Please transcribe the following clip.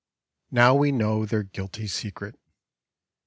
Now we know their guilty secret.